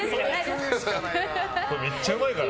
これめっちゃうまいから。